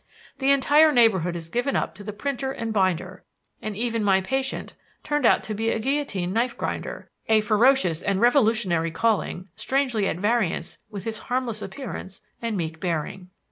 The entire neighborhood is given up to the printer and binder; and even my patient turned out to be a guillotine knife grinder a ferocious and revolutionary calling strangely at variance with his harmless appearance and meek bearing.